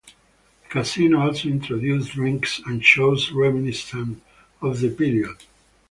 The casino also introduced drinks and shows reminiscent of the period.